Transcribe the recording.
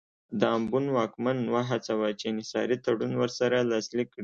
د امبون واکمن وهڅاوه چې انحصاري تړون ورسره لاسلیک کړي.